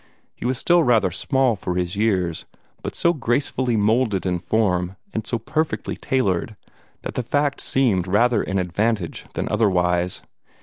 He was still rather small for his years, but so gracefully moulded in form, and so perfectly tailored, that the fact seemed rather an advantage than otherwise.